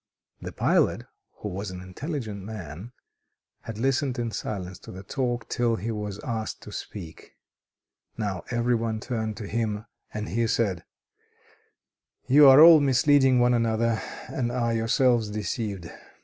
The pilot, who was an intelligent man, had listened in silence to the talk till he was asked to speak. Now every one turned to him, and he said: "You are all misleading one another, and are yourselves deceived.